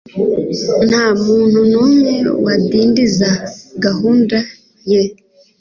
Nta muntu n'umwe wadindiza gahunda ye.”